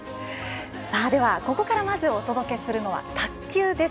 ここからまずお届けするのは卓球です。